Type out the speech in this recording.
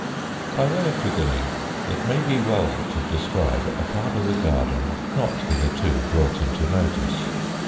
By way of beginning, it may be well to describe a part of the garden not hitherto brought into notice.